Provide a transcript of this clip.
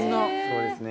そうですね。